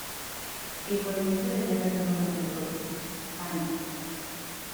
El movimiento debía tener un nombre propio: Pánico.